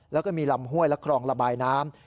แล้วก็มีลำห้วยและครองระบายน้ำ